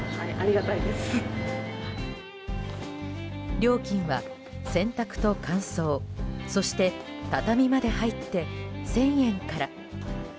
料金は洗濯と乾燥そして、畳みまで入って１０００円から。